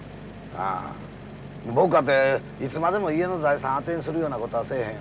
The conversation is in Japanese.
ああ僕かていつまでも家の財産当てにするようなことはせえへん。